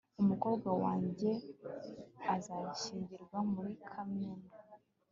umukobwa wanjye azashyingirwa muri kamena